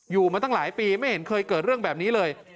มาตั้งหลายปีไม่เห็นเคยเกิดเรื่องแบบนี้เลย